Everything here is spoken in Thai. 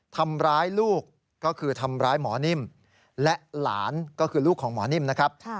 ทำร้ายลูกก็คือทำร้ายหมอนิ่มและหลานก็คือลูกของหมอนิ่มนะครับ